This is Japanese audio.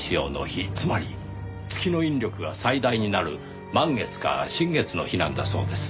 つまり月の引力が最大になる満月か新月の日なんだそうです。